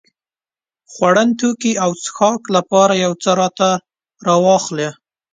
خوړن توکي او څښاک لپاره يو څه راته راواخلې.